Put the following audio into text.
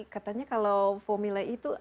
katanya kalau formula e itu